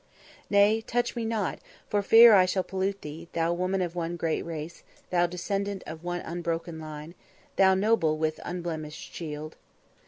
"Nay, touch me not, for fear I shall pollute thee, thou woman of one great race; thou descendant of one unbroken line; thou noble with unblemished shield."